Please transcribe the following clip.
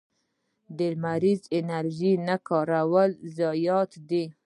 د لمریزې انرژۍ نه کارول ضایعات دي.